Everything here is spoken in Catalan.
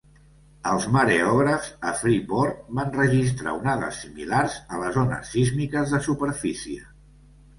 Els mareògrafs a Freeport van registrar onades similars a les ones sísmiques de superfície.